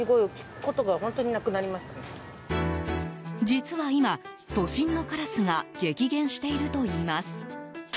実は今、都心のカラスが激減しているといいます。